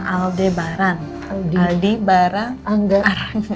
alde baran aldi barah anggarah